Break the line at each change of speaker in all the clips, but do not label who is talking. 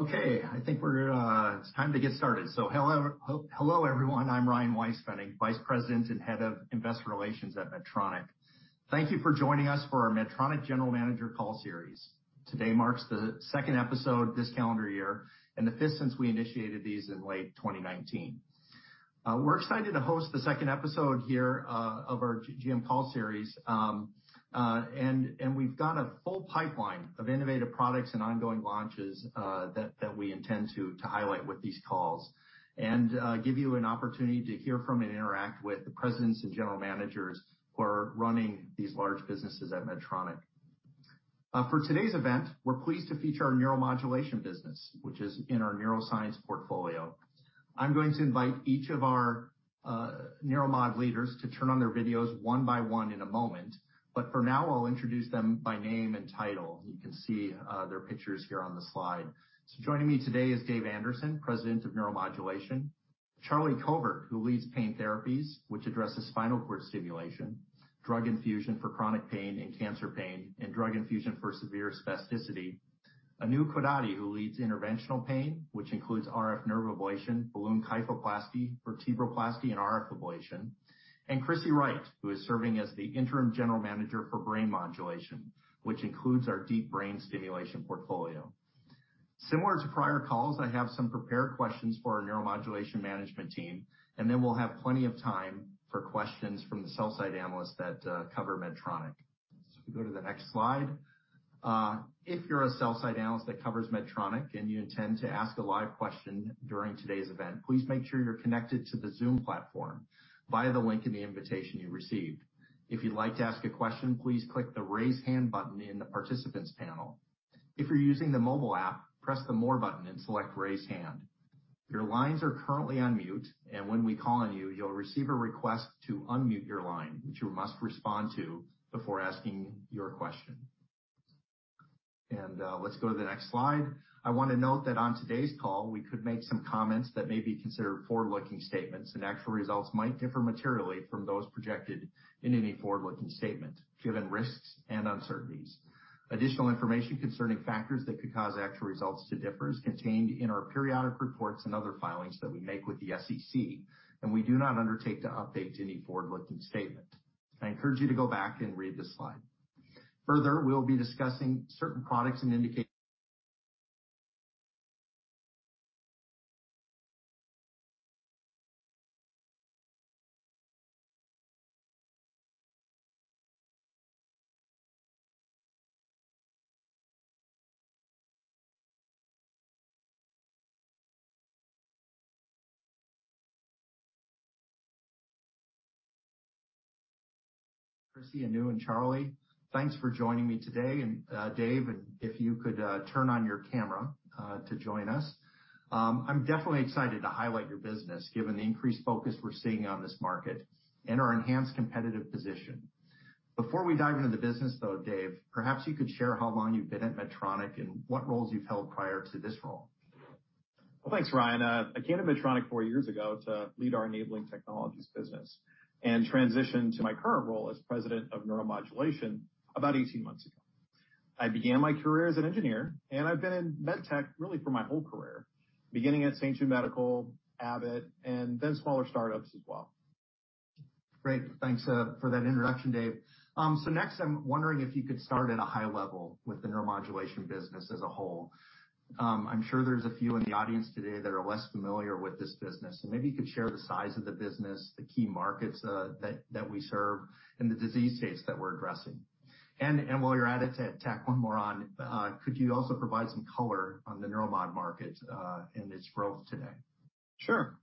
It's time to get started. Hello everyone. I'm Ryan Weispfenning, Vice President and Head of Investor Relations at Medtronic. Thank you for joining us for our Medtronic General Manager Call series. Today marks the second episode this calendar year, and the fifth since we initiated these in late 2019. We're excited to host the second episode here of our GM Call series. We've got a full pipeline of innovative products and ongoing launches that we intend to highlight with these calls and give you an opportunity to hear from and interact with the Presidents and General Managers who are running these large businesses at Medtronic. For today's event, we're pleased to feature our Neuromodulation business, which is in our Neuroscience portfolio. I'm going to invite each of our Neuromod Leaders to turn on their videos one by one in a moment, but for now, I'll introduce them by name and title. You can see their pictures here on the slide. Joining me today is Dave Anderson, President of Neuromodulation, Charlie Covert, who leads Pain Therapies, which addresses spinal cord stimulation, drug infusion for chronic pain and cancer pain, and drug infusion for severe spasticity. Anu Codaty, who leads Interventional Pain, which includes RF nerve ablation, balloon kyphoplasty, vertebroplasty, and RF ablation. Krissy Wright, who is serving as the interim General Manager for Brain Modulation, which includes our deep brain stimulation portfolio. Similar to prior calls, I have some prepared questions for our Neuromodulation Management Team, and then we'll have plenty of time for questions from the Sell-Side Analysts that cover Medtronic. If we go to the next slide. If you're a Sell-Side Analyst that covers Medtronic and you intend to ask a live question during today's event, please make sure you're connected to the Zoom platform via the link in the invitation you received. If you'd like to ask a question, please click the raise hand button in the Participants panel. If you're using the mobile app, press the More button and select Raise Hand. Your lines are currently on mute, and when we call on you'll receive a request to unmute your line, which you must respond to before asking your question. Let's go to the next slide. I want to note that on today's call, we could make some comments that may be considered forward-looking statements, and actual results might differ materially from those projected in any forward-looking statement, given risks and uncertainties. Additional information concerning factors that could cause actual results to differ is contained in our periodic reports and other filings that we make with the SEC. We do not undertake to update any forward-looking statement. I encourage you to go back and read the slide. We'll be discussing certain products and indicators. Krissy Wright, Anu Codaty, and Charlie Covert, thanks for joining me today. Dave Anderson, if you could turn on your camera to join us. I'm definitely excited to highlight your business, given the increased focus we're seeing on this market and our enhanced competitive position. Before we dive into the business, though, Dave Anderson, perhaps you could share how long you've been at Medtronic and what roles you've held prior to this role.
Well, thanks, Ryan. I came to Medtronic four years ago to lead our enabling technologies business and transitioned to my current role as President of Neuromodulation about 18 months ago. I began my career as an Engineer, I've been in Med Tech really for my whole career, beginning at St. Jude Medical, Abbott, and then smaller startups as well.
Great. Thanks for that introduction, Dave. Next, I'm wondering if you could start at a high level with the Neuromodulation business as a whole. I'm sure there's a few in the audience today that are less familiar with this business. Maybe you could share the size of the business, the key markets that we serve, and the disease states that we're addressing. While you're at it, to tack one more on, could you also provide some color on the neuromod market and its growth today?
Sure.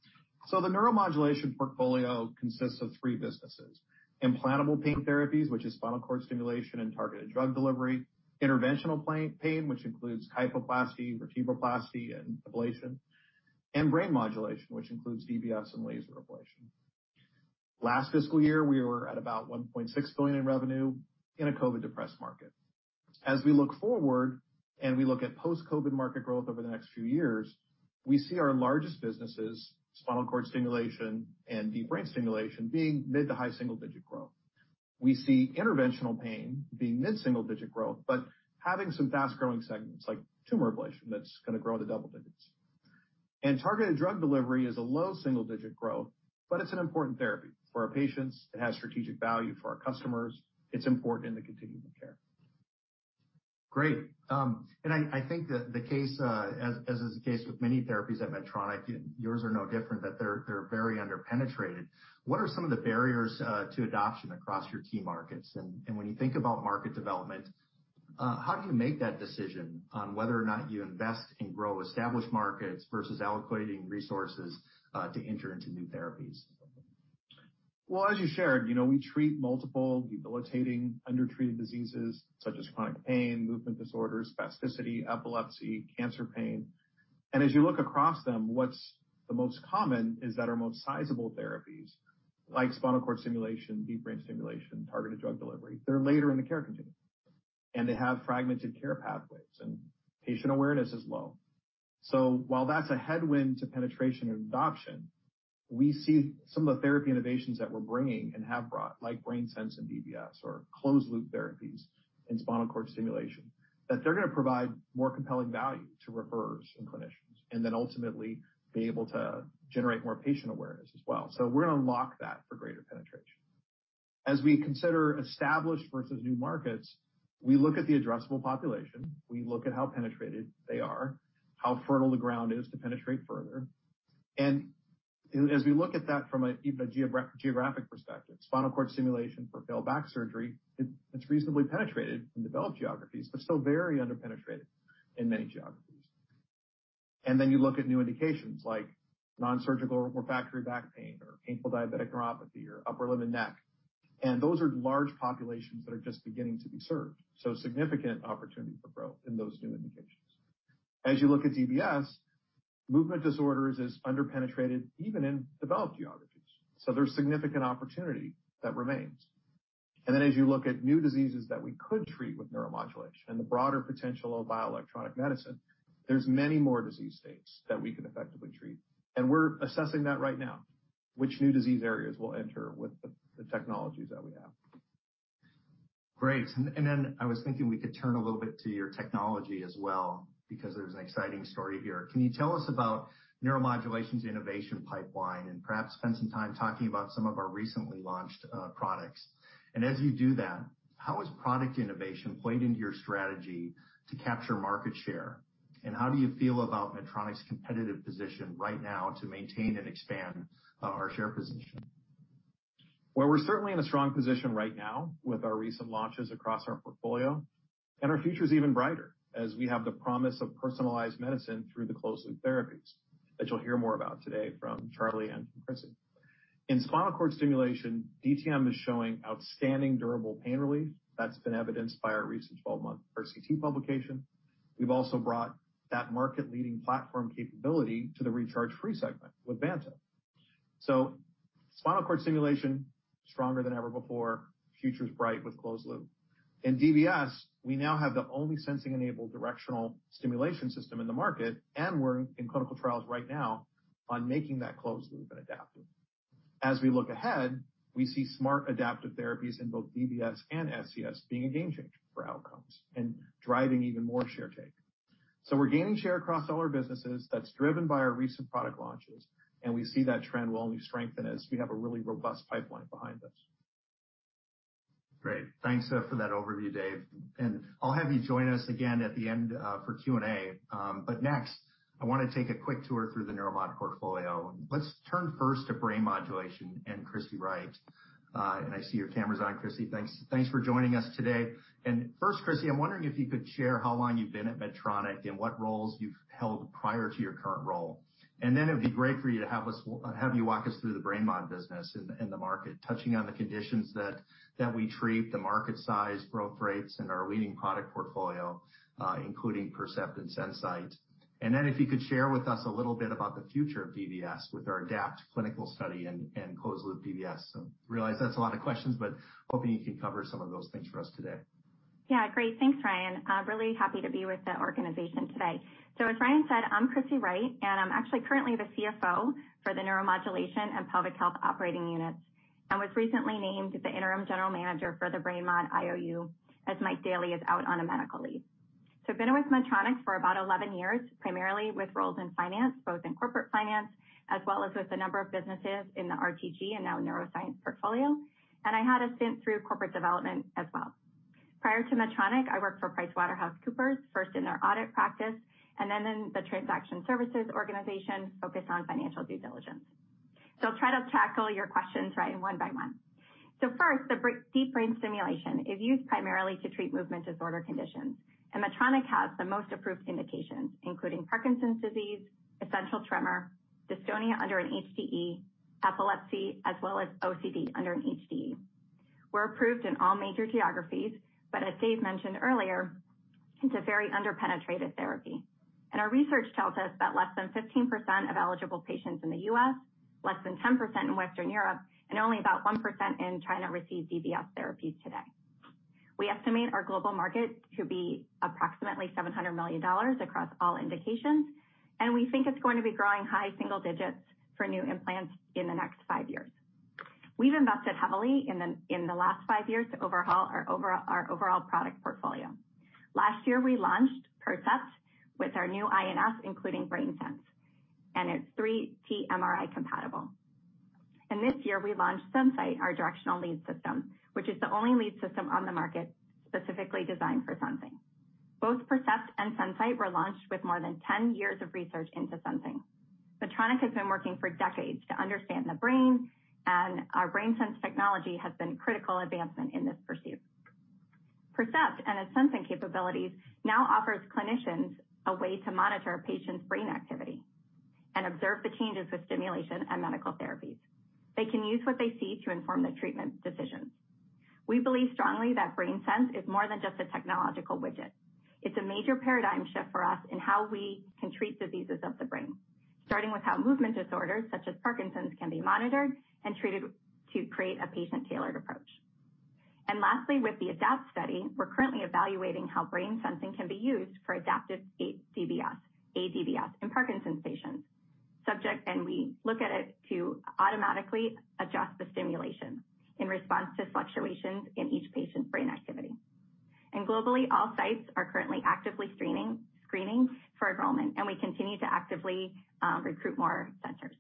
The neuromodulation portfolio consists of three businesses: implantable pain therapies, which is spinal cord stimulation and targeted drug delivery; interventional pain, which includes kyphoplasty, vertebroplasty, and ablation; brain modulation, which includes DBS and laser ablation. Last fiscal year, we were at about $1.6 billion in revenue in a COVID-depressed market. As we look forward and we look at post-COVID market growth over the next few years, we see our largest businesses, spinal cord stimulation and deep brain stimulation, being mid to high single-digit growth. We see interventional pain being mid-single digit growth, but having some fast-growing segments like tumor ablation that's going to grow into double digits. Targeted drug delivery is a low single-digit growth, but it's an important therapy for our patients. It has strategic value for our customers. It's important in the continuum of care.
Great. I think that the case as is the case with many therapies at Medtronic, and yours are no different, that they're very underpenetrated. What are some of the barriers to adoption across your key markets? When you think about market development, how do you make that decision on whether or not you invest and grow established markets versus allocating resources to enter into new therapies?
Well, as you shared, we treat multiple debilitating undertreated diseases such as chronic pain, movement disorders, spasticity, epilepsy, cancer pain. As you look across them, what's the most common is that our most sizable therapies, like spinal cord stimulation, deep brain stimulation, targeted drug delivery, they're later in the care continuum, and they have fragmented care pathways, and patient awareness is low. While that's a headwind to penetration and adoption. We see some of the therapy innovations that we're bringing and have brought, like BrainSense and DBS or closed loop therapies and spinal cord stimulation, that they're going to provide more compelling value to referrers and clinicians, and then ultimately be able to generate more patient awareness as well. We're going to lock that for greater penetration. As we consider established versus new markets, we look at the addressable population. We look at how penetrated they are, how fertile the ground is to penetrate further. As we look at that from a geographic perspective, spinal cord stimulation for failed back surgery, it's reasonably penetrated in developed geographies, but still very under-penetrated in many geographies. You look at new indications like non-surgical refractory back pain or painful diabetic neuropathy or upper limb and neck, and those are large populations that are just beginning to be served. Significant opportunity for growth in those new indications. As you look at DBS, movement disorders is under-penetrated even in developed geographies. There's significant opportunity that remains. As you look at new diseases that we could treat with neuromodulation and the broader potential of bioelectronic medicine, there's many more disease states that we can effectively treat. We're assessing that right now, which new disease areas we'll enter with the technologies that we have.
Great. Then I was thinking we could turn a little bit to your technology as well because there's an exciting story here. Can you tell us about Neuromodulation's innovation pipeline and perhaps spend some time talking about some of our recently launched products? As you do that, how has product innovation played into your strategy to capture market share, and how do you feel about Medtronic's competitive position right now to maintain and expand our share position?
We're certainly in a strong position right now with our recent launches across our portfolio, our future's even brighter as we have the promise of personalized medicine through the closed loop therapies that you'll hear more about today from Charlie and Krissy. In spinal cord stimulation, DTM is showing outstanding durable pain relief. That's been evidenced by our recent 12-month RCT publication. We've also brought that market leading platform capability to the recharge-free segment with Vanta. Spinal cord stimulation, stronger than ever before. Future's bright with closed loop. In DBS, we now have the only sensing enabled directional stimulation system in the market, and we're in clinical trials right now on making that closed loop and adaptive. As we look ahead, we see smart adaptive therapies in both DBS and SCS being a game changer for outcomes and driving even more share take. We're gaining share across all our businesses. That's driven by our recent product launches, and we see that trend will only strengthen as we have a really robust pipeline behind us.
Thanks for that overview, Dave, and I'll have you join us again at the end for Q&A. Next I want to take a quick tour through the neuromod portfolio. Let's turn first to Brain Modulation and Krissy Wright. I see your camera's on, Krissy. Thanks for joining us today. First, Krissy, I'm wondering if you could share how long you've been at Medtronic and what roles you've held prior to your current role. Then it would be great for you to have you walk us through the Brain Mod business and the market, touching on the conditions that we treat, the market size, growth rates, and our leading product portfolio including Percept and SenSight. Then if you could share with us a little bit about the future of DBS with our ADAPT clinical study and closed loop DBS. Realize that's a lot of questions, but hoping you can cover some of those things for us today.
Yeah. Great. Thanks, Ryan. Really happy to be with the organization today. As Ryan said, I'm Kristen Wright, and I'm actually currently the CFO for the Neuromodulation and Pelvic Health operating units, and was recently named the interim general manager for the brain mod IOU, as Mike Daly is out on a medical leave. I've been with Medtronic for about 11 years, primarily with roles in finance, both in corporate finance as well as with a number of businesses in the RTG and now Neuroscience portfolio. I had a stint through corporate development as well. Prior to Medtronic, I worked for PricewaterhouseCoopers, first in their audit practice and then in the transaction services organization focused on financial due diligence. Try to tackle your questions, Ryan, one by one. First, the deep brain stimulation is used primarily to treat movement disorder conditions. Medtronic has the most approved indications, including Parkinson's disease, essential tremor, dystonia under an HDE, epilepsy, as well as OCD under an HDE. We're approved in all major geographies, but as Dave mentioned earlier, it's a very under-penetrated therapy. Our research tells us that less than 15% of eligible patients in the U.S., less than 10% in Western Europe, and only about 1% in China receive DBS therapies today. We estimate our global market to be approximately $700 million across all indications, and we think it's going to be growing high single digits for new implants in the next five years. We've invested heavily in the last 5 years to overhaul our overall product portfolio. Last year we launched Percept with our new INS, including BrainSense, and it's 3T MRI compatible. This year we launched SenSight, our directional lead system, which is the only lead system on the market specifically designed for sensing. Both Percept and SenSight were launched with more than 10 years of research into sensing. Medtronic has been working for decades to understand the brain, and our BrainSense technology has been critical advancement in this pursuit. Percept and its sensing capabilities now offers clinicians a way to monitor a patient's brain activity and observe the changes with stimulation and medical therapies. They can use what they see to inform their treatment decisions. We believe strongly that BrainSense is more than just a technological widget. It's a major paradigm shift for us in how we can treat diseases of the brain, starting with how movement disorders such as Parkinson's can be monitored and treated to create a patient-tailored approach. Lastly, with the ADAPT study, we're currently evaluating how brain sensing can be used for adaptive aDBS, in Parkinson's patients. We look at it to automatically adjust the stimulation in response to fluctuations in each patient's brain activity. Globally, all sites are currently actively screening for enrollment, and we continue to actively recruit more centers.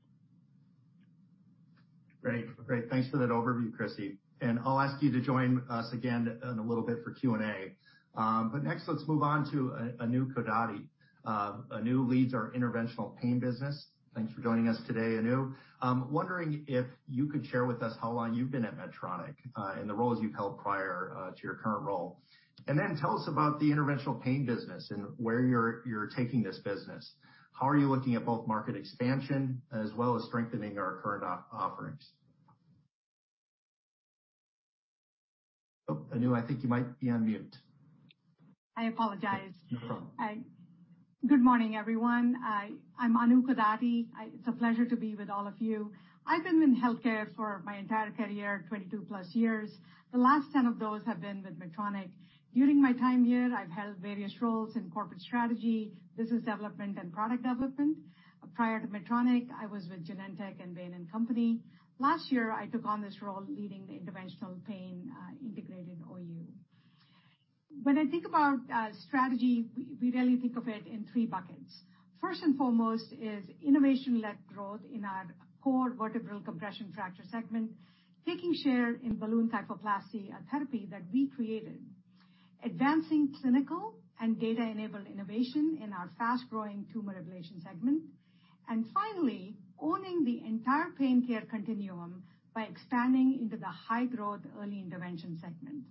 Great. Thanks for that overview, Krissy. I'll ask you to join us again in a little bit for Q&A. Next, let's move on to Anu Codaty. Anu leads our Interventional Pain business. Thanks for joining us today, Anu. Wondering if you could share with us how long you've been at Medtronic, and the roles you've held prior to your current role. Then tell us about the Interventional Pain business and where you're taking this business. How are you looking at both market expansion as well as strengthening our current offerings? Anu, I think you might be on mute.
I apologize.
No problem.
Good morning, everyone. I'm Anu Codaty. It's a pleasure to be with all of you. I've been in healthcare for my entire career, 22+ years. The last 10 of those have been with Medtronic. During my time here, I've held various roles in Corporate Strategy, Business Development, and Product Development. Prior to Medtronic, I was with Genentech and Bain & Company. Last year, I took on this role leading the Interventional Pain Integrated IOU. When I think about strategy, we really think of it in three buckets. First and foremost is innovation-led growth in our core vertebral compression fracture segment, taking share in balloon kyphoplasty, a therapy that we created. Advancing clinical and data-enabled innovation in our fast-growing tumor ablation segment. Finally, owning the entire pain care continuum by expanding into the high-growth early intervention segment.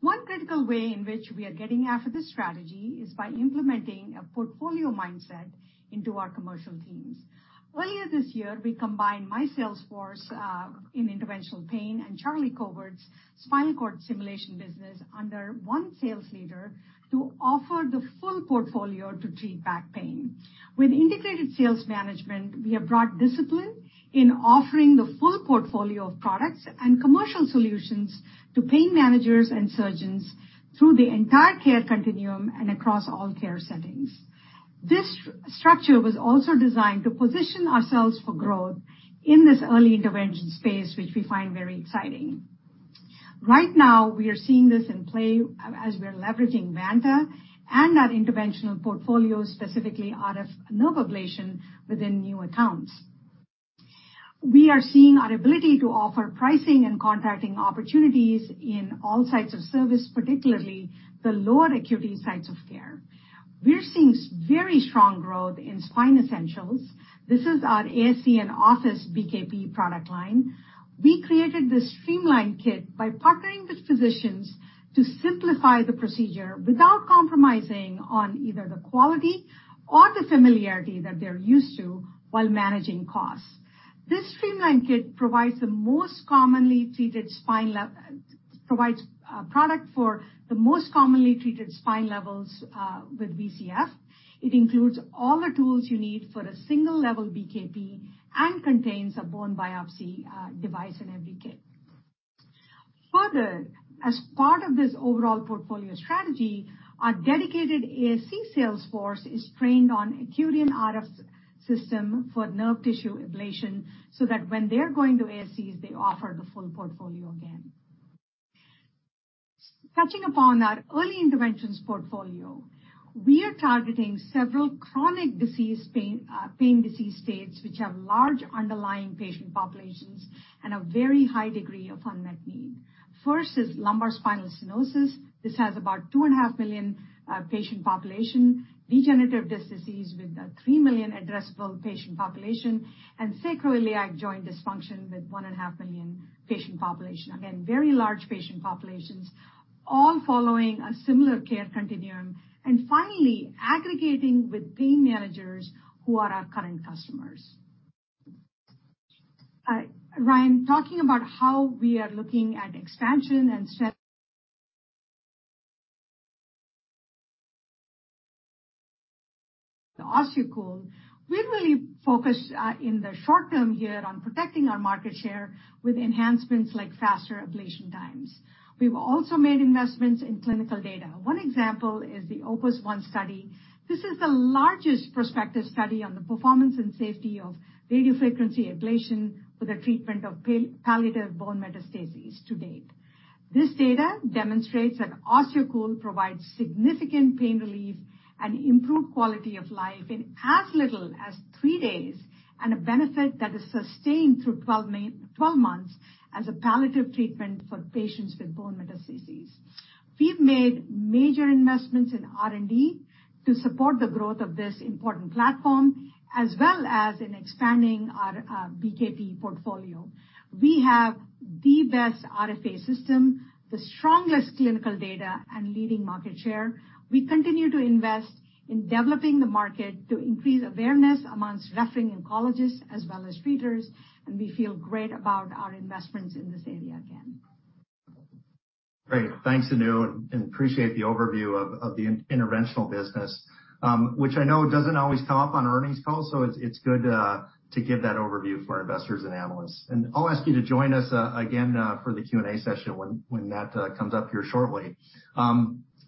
One critical way in which we are getting after this strategy is by implementing a portfolio mindset into our commercial teams. Earlier this year, we combined my sales force in Interventional Pain and Charlie Covert's Spinal Cord Stimulation business under one sales leader to offer the full portfolio to treat back pain. With integrated sales management, we have brought discipline in offering the full portfolio of products and commercial solutions to pain managers and surgeons through the entire care continuum and across all care settings. This structure was also designed to position ourselves for growth in this early intervention space, which we find very exciting. Right now, we are seeing this in play as we're leveraging Vanta and our interventional portfolio, specifically RF nerve ablation within new accounts. We are seeing our ability to offer pricing and contracting opportunities in all sites of service, particularly the lower acuity sites of care. We are seeing very strong growth in Spine Essentials. This is our ASC and office BKP product line. We created this streamlined kit by partnering with physicians to simplify the procedure without compromising on either the quality or the familiarity that they're used to while managing costs. This streamlined kit provides a product for the most commonly treated spine levels with VCF. It includes all the tools you need for a single-level BKP and contains a bone biopsy device in every kit. Further, as part of this overall portfolio strategy, our dedicated ASC sales force is trained on Accurian RF system for nerve tissue ablation, so that when they're going to ASCs, they offer the full portfolio again. Touching upon our early interventions portfolio, we are targeting several chronic pain disease states, which have large underlying patient populations and a very high degree of unmet need. First is lumbar spinal stenosis. This has about 2.5 million patient population, degenerative disc disease with a three million addressable patient population, and sacroiliac joint dysfunction with 1.5 million patient population. Again, very large patient populations, all following a similar care continuum. Finally, aggregating with pain managers who are our current customers. Ryan, talking about how we are looking at expansion and set the OsteoCool, we really focus in the short term here on protecting our market share with enhancements like faster ablation times. We've also made investments in clinical data. One example is the OPuS One study. This is the largest prospective study on the performance and safety of radiofrequency ablation for the treatment of palliative bone metastases to date. This data demonstrates that OsteoCool provides significant pain relief and improved quality of life in as little as three days, and a benefit that is sustained through 12 months as a palliative treatment for patients with bone metastases. We've made major investments in R&D to support the growth of this important platform, as well as in expanding our BKP portfolio. We have the best RFA system, the strongest clinical data, and leading market share. We continue to invest in developing the market to increase awareness amongst referring oncologists as well as treaters, and we feel great about our investments in this area again.
Great. Thanks, Anu, appreciate the overview of the interventional business, which I know doesn't always come up on earnings calls, so it's good to give that overview for our investors and analysts. I'll ask you to join us again for the Q&A session when that comes up here shortly.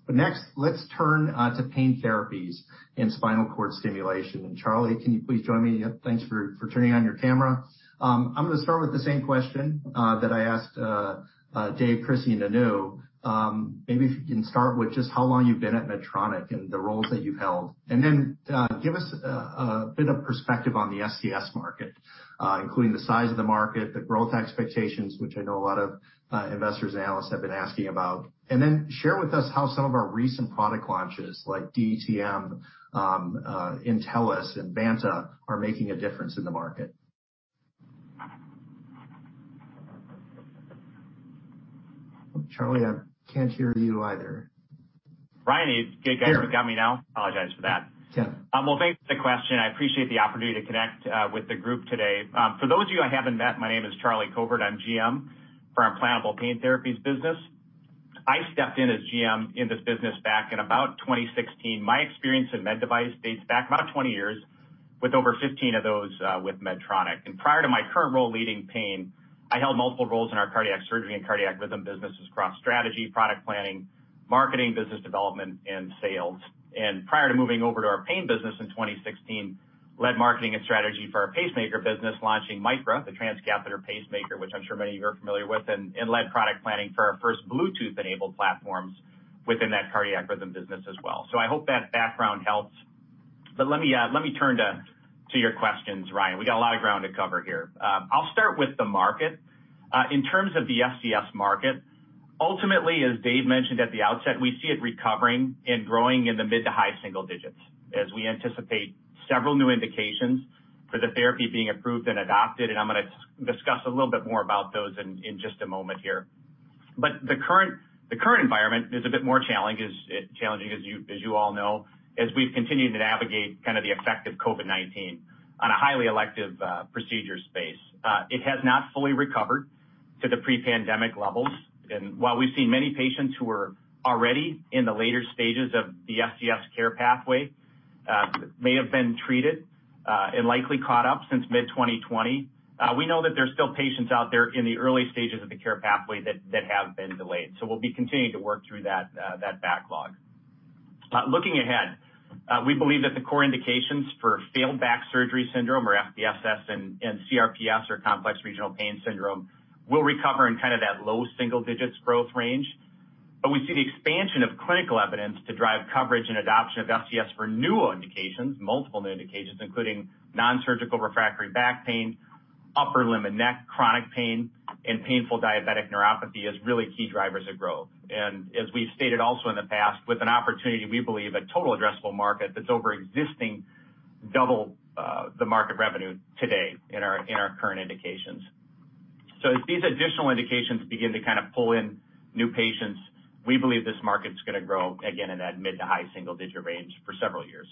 Next, let's turn to pain therapies and spinal cord stimulation. Charlie, can you please join me? Thanks for turning on your camera. I'm going to start with the same question that I asked Dave, Krissy, and Anu. Maybe if you can start with just how long you've been at Medtronic and the roles that you've held. Then give us a bit of perspective on the SCS market, including the size of the market, the growth expectations, which I know a lot of investors and analysts have been asking about. Share with us how some of our recent product launches, like DTM, Intellis, and Vanta, are making a difference in the market. Charlie, I can't hear you either.
Ryan, can you guys hear me now? Apologize for that.
Yeah.
Well, thanks for the question. I appreciate the opportunity to connect with the group today. For those of you I haven't met, my name is Charlie Covert. I'm GM for our Implantable Pain Therapies business. I stepped in as GM in this business back in about 2016. My experience in med device dates back about 20 years, with over 15 of those with Medtronic. Prior to my current role leading pain, I held multiple roles in our cardiac surgery and cardiac rhythm businesses: cross strategy, product planning, marketing, business development, and sales. Prior to moving over to our pain business in 2016, led marketing and strategy for our pacemaker business, launching Micra, the transcatheter pacemaker, which I'm sure many of you are familiar with, and led product planning for our first Bluetooth-enabled platforms within that cardiac rhythm business as well. I hope that background helps. Let me turn to your questions, Ryan. We got a lot of ground to cover here. I'll start with the market. In terms of the SCS market, ultimately, as Dave mentioned at the outset, we see it recovering and growing in the mid to high single digits as we anticipate several new indications for the therapy being approved and adopted, and I'm going to discuss a little bit more about those in just a moment here. The current environment is a bit more challenging, as you all know, as we've continued to navigate kind of the effect of COVID-19 on a highly elective procedure space. It has not fully recovered to the pre-pandemic levels. While we've seen many patients who were already in the later stages of the SCS care pathway may have been treated, and likely caught up since mid-2020, we know that there's still patients out there in the early stages of the care pathway that have been delayed. We'll be continuing to work through that backlog. Looking ahead, we believe that the core indications for Failed Back Surgery Syndrome, or FBSS, and CRPS, or Complex Regional Pain Syndrome, will recover in kind of that low single-digits growth range. We see the expansion of clinical evidence to drive coverage and adoption of SCS for new indications, multiple new indications, including nonsurgical refractory back pain, upper limb and neck chronic pain, and painful diabetic neuropathy as really key drivers of growth. As we've stated also in the past, with an opportunity, we believe a total addressable market that's over existing double the market revenue today in our current indications. As these additional indications begin to kind of pull in new patients, we believe this market's going to grow again in that mid to high single-digit range for several years.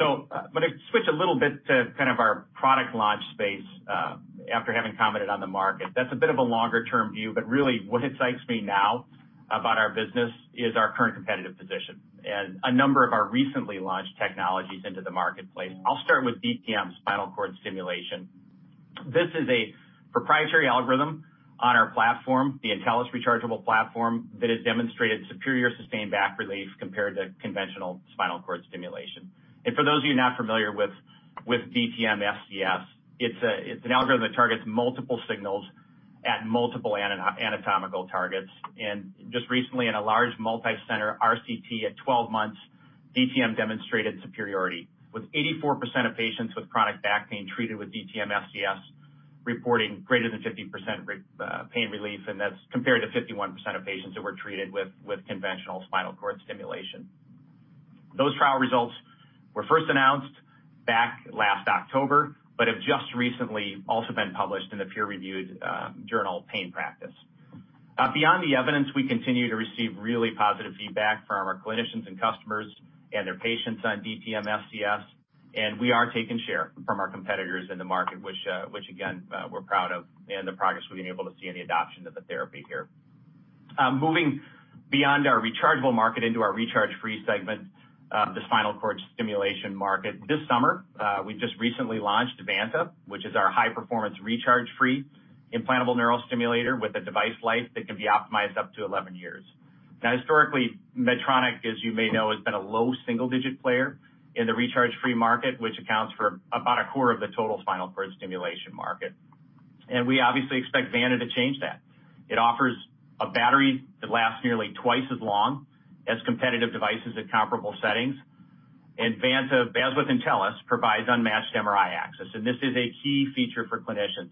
I'm going to switch a little bit to kind of our product launch space after having commented on the market. That's a bit of a longer-term view, but really what excites me now about our business is our current competitive position and a number of our recently launched technologies into the marketplace. I'll start with DTM spinal cord stimulation. This is a proprietary algorithm on our platform, the Intellis rechargeable platform, that has demonstrated superior sustained back relief compared to conventional spinal cord stimulation. For those of you not familiar with DTM SCS, it's an algorithm that targets multiple signals at multiple anatomical targets. Just recently, in a large multi-center RCT at 12 months, DTM demonstrated superiority with 84% of patients with chronic back pain treated with DTM SCS reporting greater than 50% pain relief, and that's compared to 51% of patients who were treated with conventional spinal cord stimulation. Those trial results were first announced back last October, but have just recently also been published in the peer-reviewed journal, Pain Practice. Beyond the evidence, we continue to receive really positive feedback from our clinicians and customers and their patients on DTM SCS, and we are taking share from our competitors in the market, which again, we're proud of and the progress we've been able to see in the adoption of the therapy here. Moving beyond our rechargeable market into our recharge-free segment, the spinal cord stimulation market. This summer, we just recently launched Vanta, which is our high-performance, recharge-free implantable neurostimulator with a device life that can be optimized up to 11 years. Now, historically, Medtronic, as you may know, has been a low single-digit player in the recharge-free market, which accounts for about a quarter of the total spinal cord stimulation market. We obviously expect Vanta to change that. It offers a battery that lasts nearly twice as long as competitive devices in comparable settings. Vanta, as with Intellis, provides unmatched MRI access, and this is a key feature for clinicians,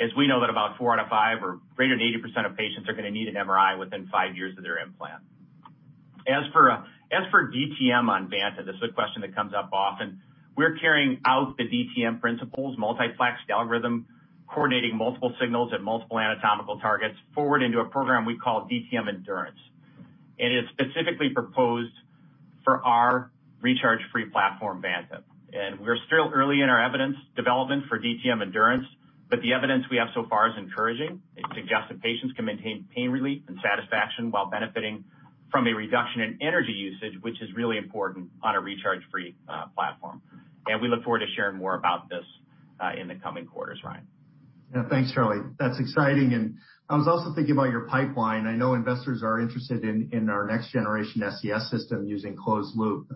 as we know that about four out of five or greater than 80% of patients are going to need an MRI within five years of their implant. For DTM on Vanta, this is a question that comes up often. We're carrying out the DTM principles, multiplexed algorithm, coordinating multiple signals at multiple anatomical targets forward into a program we call DTM Endurance. It's specifically proposed for our recharge-free platform, Vanta. We're still early in our evidence development for DTM Endurance, but the evidence we have so far is encouraging. It suggests that patients can maintain pain relief and satisfaction while benefiting from a reduction in energy usage, which is really important on a recharge-free platform. We look forward to sharing more about this in the coming quarters, Ryan.
Yeah. Thanks, Charlie. That's exciting. I was also thinking about your pipeline. I know investors are interested in our next generation SCS system using closed loop,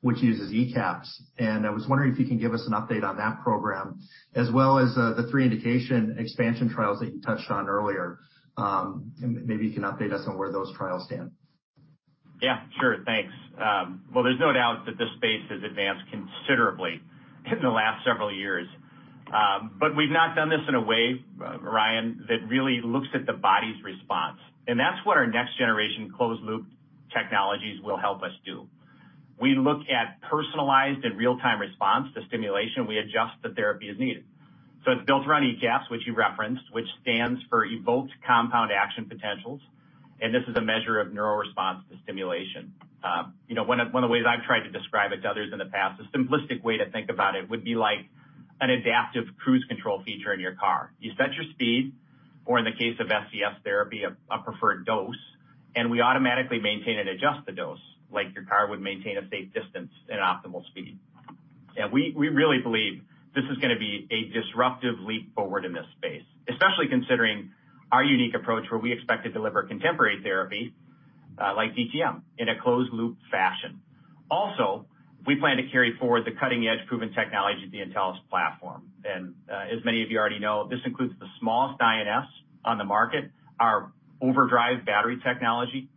which uses ECAPS. I was wondering if you can give us an update on that program as well as the three indication expansion trials that you touched on earlier. Maybe you can update us on where those trials stand.
Yeah, sure. Thanks. Well, there's no doubt that this space has advanced considerably in the last several years. We've not done this in a way, Ryan, that really looks at the body's response, and that's what our next generation closed loop technologies will help us do. We look at personalized and real-time response to stimulation. We adjust the therapy as needed. It's built around ECAPS, which you referenced, which stands for Evoked Compound Action Potentials, and this is a measure of neural response to stimulation. One of the ways I've tried to describe it to others in the past, a simplistic way to think about it would be like an adaptive cruise control feature in your car. You set your speed, or in the case of SCS therapy, a preferred dose, and we automatically maintain and adjust the dose, like your car would maintain a safe distance and optimal speed. We really believe this is going to be a disruptive leap forward in this space, especially considering our unique approach where we expect to deliver contemporary therapy, like DTM, in a closed loop fashion. Also, we plan to carry forward the cutting-edge proven technology of the Intellis platform. As many of you already know, this includes the smallest INS on the market, our OverDrive battery technology,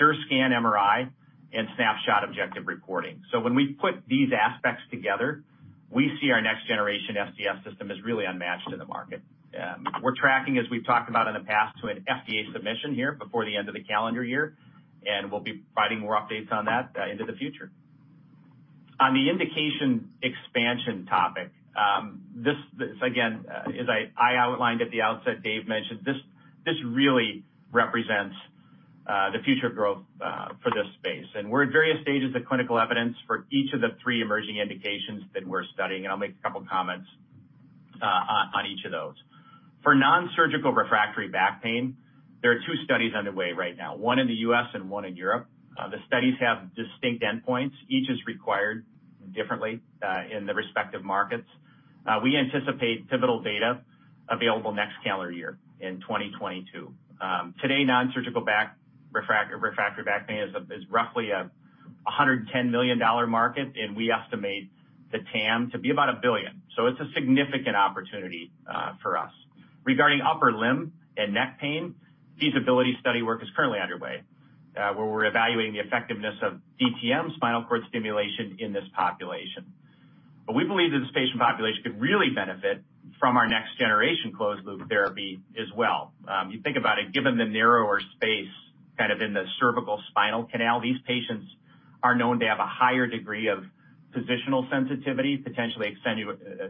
SureScan MRI, and Snapshot objective reporting. When we put these aspects together, we see our next generation SCS system as really unmatched in the market. We're tracking, as we've talked about in the past, to an FDA submission here before the end of the calendar year, and we'll be providing more updates on that into the future. On the indication expansion topic, this again, as I outlined at the outset, Dave mentioned, this really represents the future growth for this space. We're at various stages of clinical evidence for each of the three emerging indications that we're studying, and I'll make a couple comments on each of those. For nonsurgical refractory back pain, there are two studies underway right now, one in the U.S. and one in Europe. The studies have distinct endpoints. Each is required differently in the respective markets. We anticipate pivotal data available next calendar year in 2022. Today, nonsurgical refractory back pain is roughly a $110 million market, and we estimate the TAM to be about $1 billion. It's a significant opportunity for us. Regarding upper limb and neck pain, feasibility study work is currently underway, where we're evaluating the effectiveness of DTM spinal cord stimulation in this population. We believe that this patient population could really benefit from our next generation closed loop therapy as well. You think about it, given the narrower space kind of in the cervical spinal canal, these patients are known to have a higher degree of positional sensitivity, potentially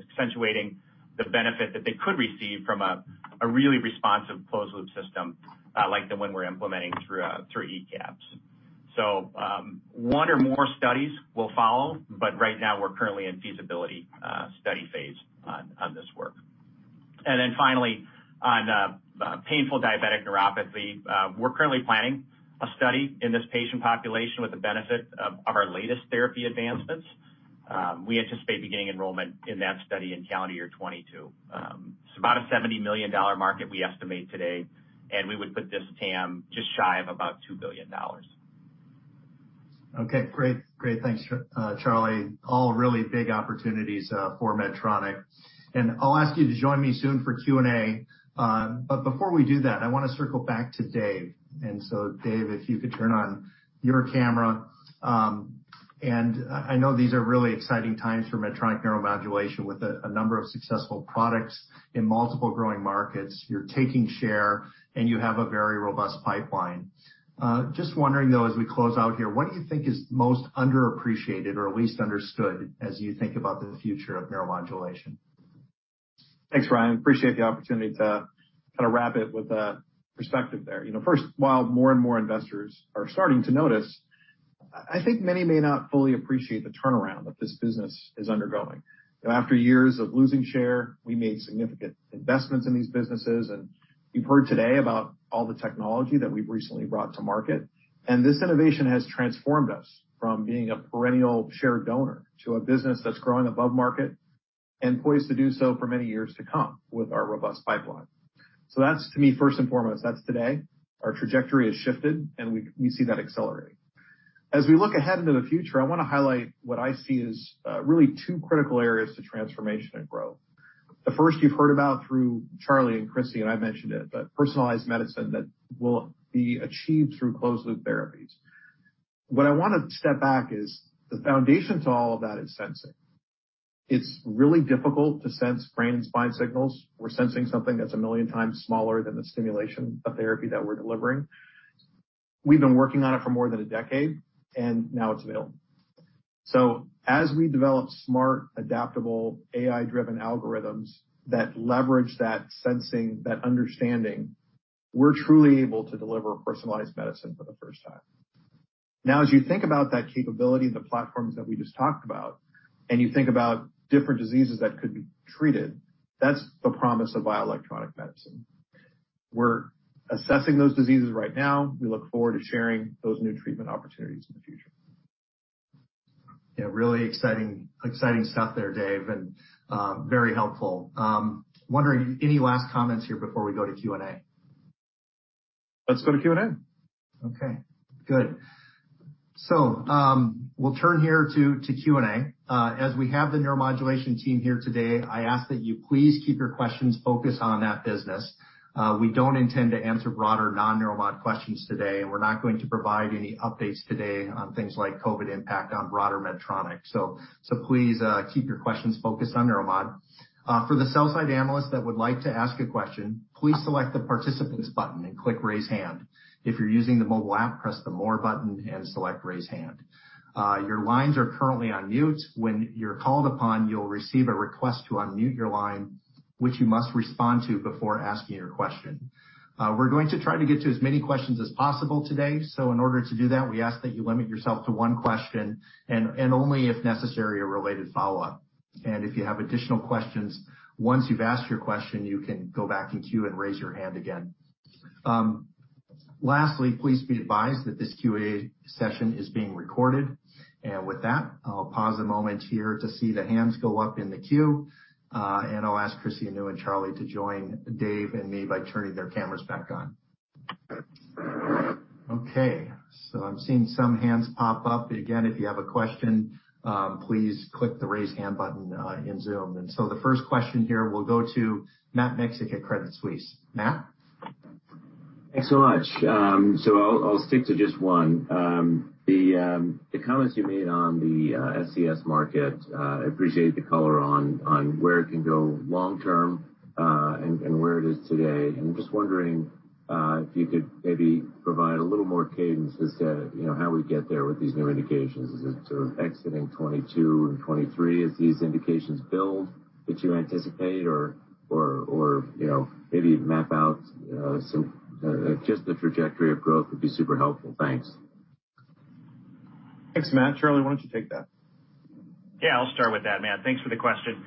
accentuating the benefit that they could receive from a really responsive closed loop system, like the one we're implementing through ECAPS. One or more studies will follow, but right now we're currently in feasibility study phase on this work. Finally, on painful diabetic neuropathy, we're currently planning a study in this patient population with the benefit of our latest therapy advancements. We anticipate beginning enrollment in that study in calendar year 2022. It's about a $70 million market we estimate today, and we would put this TAM just shy of about $2 billion.
Okay, great. Thanks, Charlie. All really big opportunities for Medtronic. I'll ask you to join me soon for Q&A. Before we do that, I want to circle back to Dave. Dave, if you could turn on your camera. I know these are really exciting times for Medtronic neuromodulation with a number of successful products in multiple growing markets. You're taking share, and you have a very robust pipeline. Just wondering, though, as we close out here, what do you think is most underappreciated or least understood as you think about the future of neuromodulation?
Thanks, Ryan. Appreciate the opportunity to kind of wrap it with a perspective there. First, while more and more investors are starting to notice, I think many may not fully appreciate the turnaround that this business is undergoing. After years of losing share, we made significant investments in these businesses, and you've heard today about all the technology that we've recently brought to market. This innovation has transformed us from being a perennial share donor to a business that's growing above market and poised to do so for many years to come with our robust pipeline. That's to me, first and foremost, that's today. Our trajectory has shifted, and we see that accelerating. As we look ahead into the future, I want to highlight what I see as really two critical areas to transformation and growth. The first you've heard about through Charlie and Krissy, and I've mentioned it, but personalized medicine that will be achieved through closed loop therapies. What I want to step back is the foundation to all of that is sensing. It's really difficult to sense brain and spine signals. We're sensing something that's a million times smaller than the stimulation of therapy that we're delivering. We've been working on it for more than a decade, and now it's available. As we develop smart, adaptable, AI-driven algorithms that leverage that sensing, that understanding, we're truly able to deliver personalized medicine for the first time. Now, as you think about that capability and the platforms that we just talked about, and you think about different diseases that could be treated, that's the promise of bioelectronic medicine. We're assessing those diseases right now. We look forward to sharing those new treatment opportunities in the future.
Yeah, really exciting stuff there, Dave, and very helpful. Wondering any last comments here before we go to Q&A.
Let's go to Q&A.
Okay, good. We'll turn here to Q&A. As we have the Neuromodulation team here today, I ask that you please keep your questions focused on that business. We don't intend to answer broader non-Neuromod questions today, and we're not going to provide any updates today on things like COVID impact on broader Medtronic. Please keep your questions focused on Neuromod. For the sell-side analysts that would like to ask a question, please select the Participants button and click Raise Hand. If you're using the mobile app, press the More button and select Raise Hand. Your lines are currently on mute. When you're called upon, you'll receive a request to unmute your line, which you must respond to before asking your question. We're going to try to get to as many questions as possible today. In order to do that, we ask that you limit yourself to one question and only if necessary, a related follow-up. If you have additional questions, once you've asked your question, you can go back in queue and raise your hand again. Lastly, please be advised that this QA session is being recorded. With that, I'll pause a moment here to see the hands go up in the queue. I'll ask Krissy Wright, Anu Codaty, and Charlie Covert to join Dave Anderson and me by turning their cameras back on. I'm seeing some hands pop up. Again, if you have a question, please click the Raise Hand button in Zoom. The first question here will go to Matt Miksic at Credit Suisse. Matt?
Thanks so much. I'll stick to just one. The comments you made on the SCS market, I appreciate the color on where it can go long term and where it is today. I'm just wondering if you could maybe provide a little more cadence as to how we get there with these new indications. Is it exiting 2022 and 2023 as these indications build that you anticipate? Or maybe map out just the trajectory of growth would be super helpful. Thanks.
Thanks, Matt. Charlie, why don't you take that?
Yeah, I'll start with that, Matt. Thanks for the question.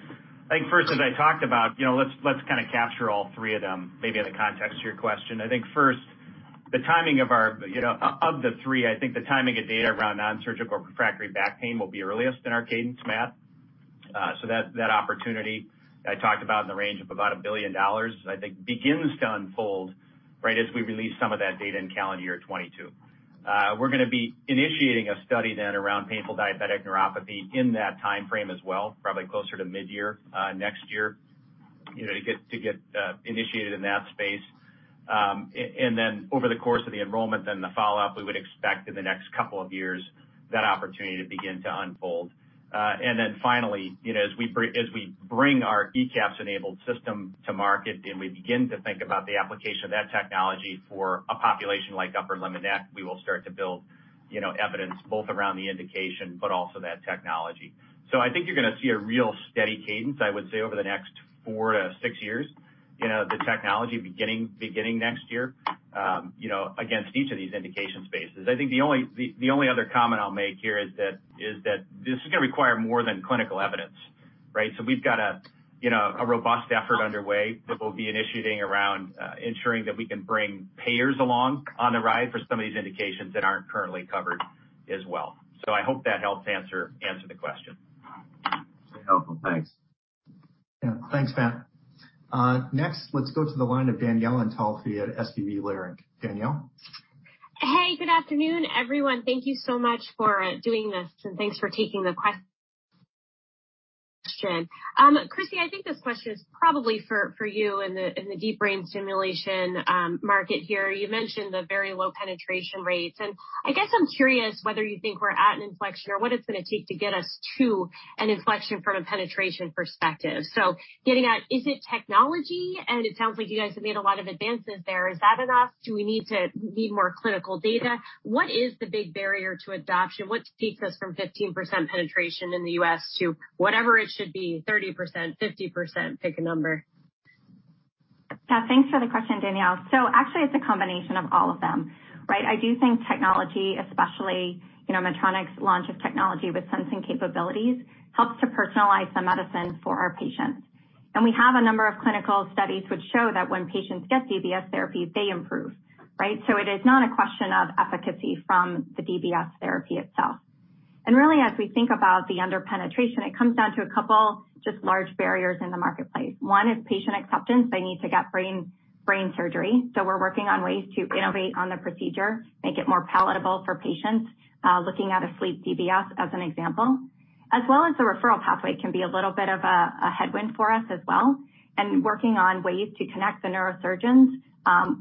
I think first, as I talked about, let's kind of capture all three of them, maybe in the context of your question. I think first, of the three, I think the timing of data around nonsurgical refractory back pain will be earliest in our cadence, Matt. That opportunity I talked about in the range of about $1 billion, I think, begins to unfold right as we release some of that data in calendar year 2022. We're going to be initiating a study then around painful diabetic neuropathy in that timeframe as well, probably closer to mid-year next year, to get initiated in that space. Over the course of the enrollment, then the follow-up, we would expect in the next couple of years, that opportunity to begin to unfold. Then finally, as we bring our ECAPS-enabled system to market, and we begin to think about the application of that technology for a population like upper limb and neck, we will start to build evidence both around the indication, but also that technology. I think you're going to see a real steady cadence, I would say, over the next four-six years, the technology beginning next year, against each of these indication spaces. The only other comment I'll make here is that this is going to require more than clinical evidence, right? We've got a robust effort underway that we'll be initiating around ensuring that we can bring payers along on the ride for some of these indications that aren't currently covered as well. I hope that helps answer the question.
Very helpful. Thanks.
Yeah. Thanks, Matt. Let's go to the line of Danielle Antalffy at SVB Leerink. Danielle?
Hey, good afternoon everyone? Thank you so much for doing this, and thanks for taking the question. Krissy, I think this question is probably for you in the deep brain stimulation market here. You mentioned the very low penetration rates, and I guess I'm curious whether you think we're at an inflection or what it's going to take to get us to an inflection from a penetration perspective. Getting at, is it technology? It sounds like you guys have made a lot of advances there. Is that enough? Do we need more clinical data? What is the big barrier to adoption? What takes us from 15% penetration in the U.S. to whatever it should be, 30%, 50%? Pick a number.
Yeah. Thanks for the question, Danielle. Actually, it's a combination of all of them, right? I do think technology, especially Medtronic's launch of technology with sensing capabilities, helps to personalize the medicine for our patients. We have a number of clinical studies which show that when patients get DBS therapy, they improve, right? It is not a question of efficacy from the DBS therapy itself. Really, as we think about the under-penetration, it comes down to a couple just large barriers in the marketplace. One is patient acceptance. They need to get brain surgery. We're working on ways to innovate on the procedure, make it more palatable for patients, looking at asleep DBS as an example, as well as the referral pathway can be a little bit of a headwind for us as well, and working on ways to connect the neurosurgeons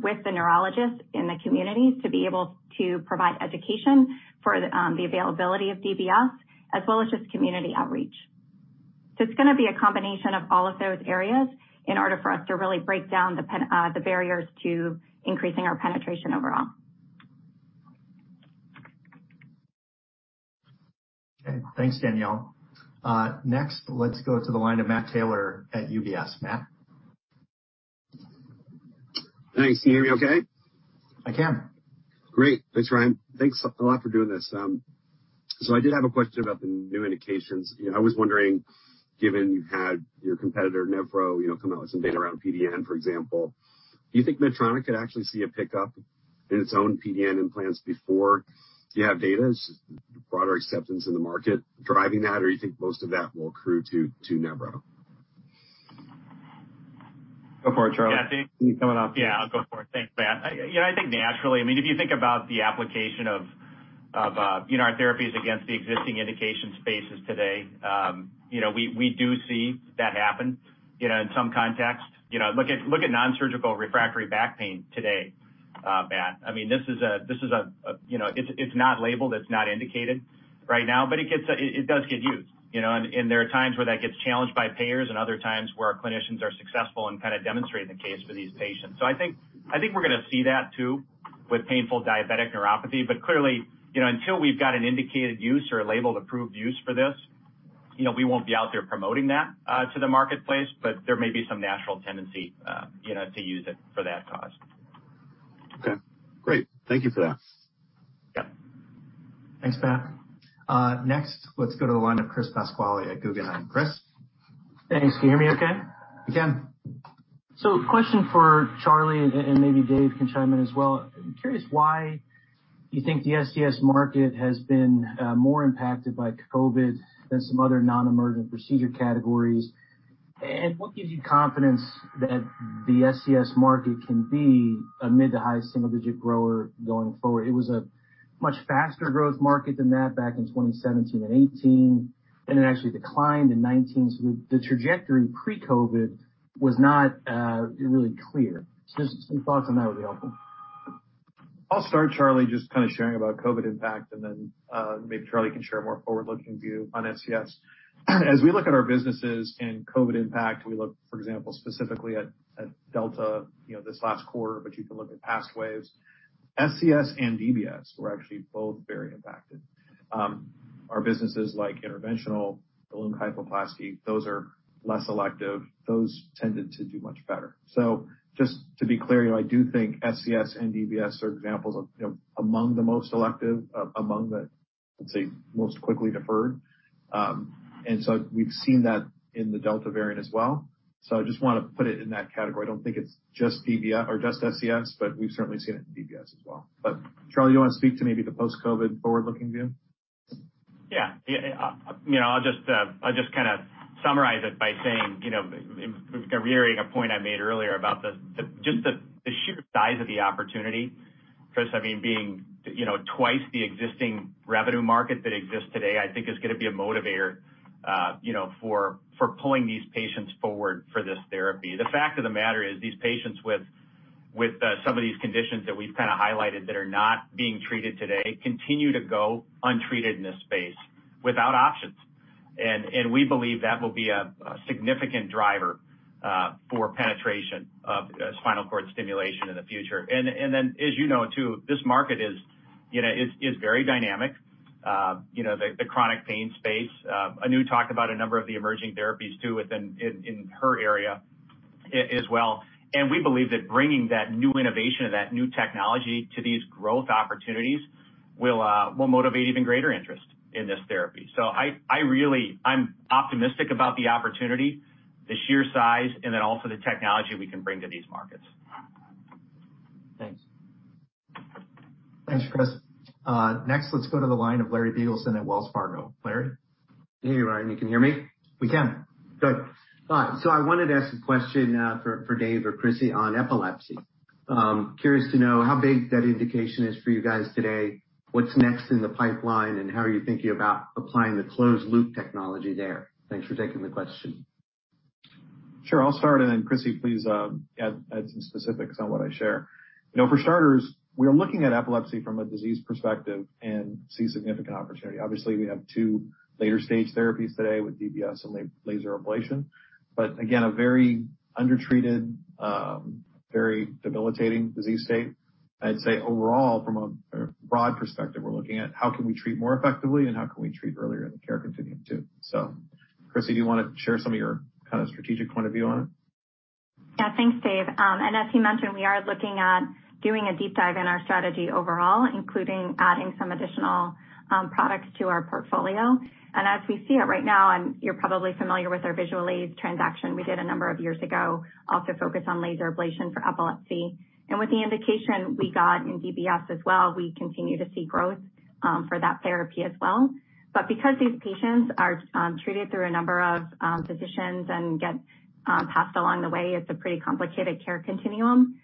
with the neurologists in the communities to be able to provide education for the availability of DBS, as well as just community outreach. It's going to be a combination of all of those areas in order for us to really break down the barriers to increasing our penetration overall.
Okay. Thanks, Danielle. Next, let's go to the line of Matt Taylor at UBS. Matt?
Thanks. Can you hear me okay?
I can.
Great. Thanks, Ryan. Thanks a lot for doing this. I did have a question about the new indications. I was wondering, given you had your competitor Nevro come out with some data around PDN, for example, do you think Medtronic could actually see a pickup in its own PDN implants before you have data? Is broader acceptance in the market driving that? You think most of that will accrue to Nevro?
Go for it, Charlie.
Yeah, I think-
See you coming up.
Yeah, I'll go for it. Thanks, Matt. I think naturally, if you think about the application of our therapies against the existing indication spaces today, we do see that happen in some context. Look at nonsurgical refractory back pain today, Matt. It's not labeled, it's not indicated right now, but it does get used. There are times where that gets challenged by payers and other times where our clinicians are successful in demonstrating the case for these patients. I think we're going to see that too with painful diabetic neuropathy. Clearly, until we've got an indicated use or a label approved use for this, we won't be out there promoting that to the marketplace. There may be some natural tendency to use it for that cause.
Okay. Great. Thank you for that.
Yeah.
Thanks, Matt. Next, let's go to the line of Chris Pasquale at Guggenheim. Chris?
Thanks. Can you hear me okay?
We can.
Question for Charlie, and maybe Dave can chime in as well. I am curious why you think the SCS market has been more impacted by COVID than some other non-emergent procedure categories. What gives you confidence that the SCS market can be a mid to high single-digit grower going forward? It was a much faster growth market than that back in 2017 and 2018, and it actually declined in 2019. The trajectory pre-COVID was not really clear. Just some thoughts on that would be helpful.
I'll start, Charlie, just sharing about COVID impact, and then maybe Charlie can share a more forward-looking view on SCS. As we look at our businesses and COVID impact, we look, for example, specifically at Delta this last quarter. You can look at past waves. SCS and DBS were actually both very impacted. Our businesses like interventional balloon kyphoplasty, those are less elective. Those tended to do much better. Just to be clear, I do think SCS and DBS are examples of among the most elective, among the, let's say, most quickly deferred. We've seen that in the Delta variant as well. I just want to put it in that category. I don't think it's just DBS or just SCS. We've certainly seen it in DBS as well. Charlie, you want to speak to maybe the post-COVID forward-looking view? Yeah.
I'll just summarize it by saying, reiterating a point I made earlier about just the sheer size of the opportunity, Chris, being twice the existing revenue market that exists today, I think is going to be a motivator for pulling these patients forward for this therapy. The fact of the matter is, these patients with some of these conditions that we've highlighted that are not being treated today, continue to go untreated in this space without options. We believe that will be a significant driver for penetration of spinal cord stimulation in the future. As you know too, this market is very dynamic. The chronic pain space. Anu talked about a number of the emerging therapies too within her area as well. We believe that bringing that new innovation and that new technology to these growth opportunities will motivate even greater interest in this therapy. I'm optimistic about the opportunity, the sheer size, and then also the technology we can bring to these markets.
Thanks.
Thanks, Chris. Next let's go to the line of Larry Biegelsen at Wells Fargo. Larry?
Hey, Ryan. You can hear me?
We can.
Good. I wanted to ask a question for Dave or Krissy on epilepsy. Curious to know how big that indication is for you guys today, what's next in the pipeline, and how are you thinking about applying the closed loop technology there? Thanks for taking the question.
Sure. I'll start and then Krissy, please add some specifics on what I share. For starters, we are looking at epilepsy from a disease perspective and see significant opportunity. Obviously, we have two later-stage therapies today with DBS and laser ablation. Again, a very undertreated, very debilitating disease state. I'd say overall, from a broad perspective, we're looking at how can we treat more effectively and how can we treat earlier in the care continuum, too. Krissy, do you want to share some of your strategic point of view on it?
Yeah. Thanks, Dave. As he mentioned, we are looking at doing a deep dive in our strategy overall, including adding some additional products to our portfolio. As we see it right now, you're probably familiar with our Visualase transaction we did a number of years ago, also focused on laser ablation for epilepsy. With the indication we got in DBS as well, we continue to see growth for that therapy as well. Because these patients are treated through a number of physicians and get passed along the way, it's a pretty complicated care continuum.